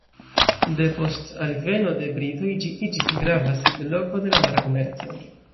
Depost alveno de britoj ĝi iĝis grava sidloko de la mara komerco.